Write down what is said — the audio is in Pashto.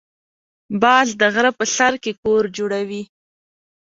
باز د غره په سر کې کور جوړوي